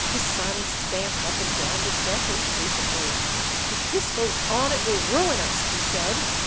Pisani stamped up and down the deck impatiently. "If this goes on, it will ruin us," he said.